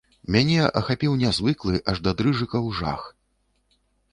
Мяне ахапіў нязвыклы, аж да дрыжыкаў, жах.